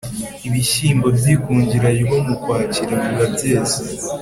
ibishyimbo by’ikungira ryo mu kwakira biba byeze